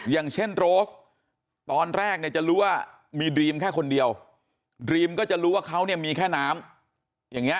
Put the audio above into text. อย่างเช่นโรสตอนแรกเนี่ยจะรู้ว่ามีดรีมแค่คนเดียวดรีมก็จะรู้ว่าเขาเนี่ยมีแค่น้ำอย่างนี้